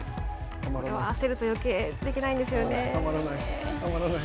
焦ると余計できないんですよね。